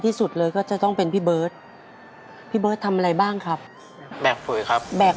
พี่ก็ต้องเป็นภาระของน้องของแม่อีกอย่างหนึ่ง